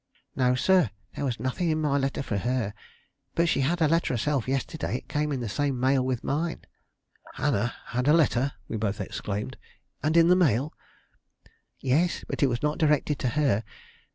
"No, sir. There was nothing in my letter for her; but she had a letter herself yesterday. It came in the same mail with mine." "Hannah had a letter!" we both exclaimed; "and in the mail?" "Yes; but it was not directed to her.